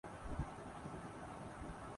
تو ہمارے لئے یہ لمحہ فکریہ ہے۔